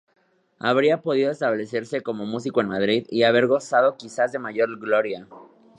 Habría podido establecerse como músico en Madrid y haber gozado quizás de mayor gloria.